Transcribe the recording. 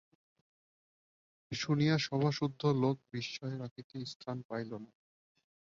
শুনিয়া সভাসুদ্ধ লোক বিস্ময় রাখিতে স্থান পাইল না।